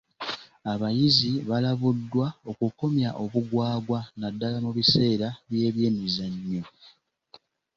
Abayizi balabuddwa okukomya obugwagwa naddaala mu biseera by'ebyemizannyo.